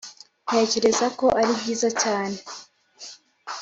ntekereza ko ari byiza cyane.